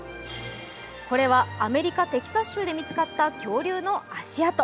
これはアメリカ・テキサス州で見つかった恐竜の足跡